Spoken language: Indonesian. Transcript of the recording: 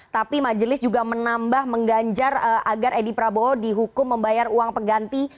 tapi majelis juga menambah mengganjar agar edi prabowo dihukum membayar uang pengganti